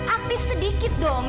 aktif sedikit dong